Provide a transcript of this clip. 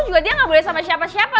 juga dia nggak boleh sama siapa siapa